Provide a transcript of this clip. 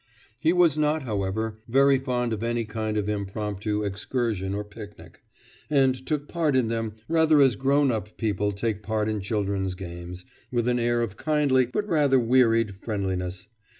He was not, however, very fond of any kind of impromptu excursion or picnic, and took part in them rather as grown up people take part in children's games, with an air of kindly, but rather wearied, friendliness.